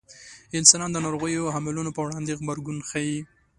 انسانان د ناروغیو حاملانو په وړاندې غبرګون ښيي.